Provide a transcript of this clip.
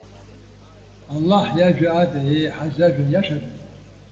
Аллаҳ иажәа ада еиҳа зажәа иашада?